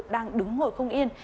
đang đứng ngồi không yên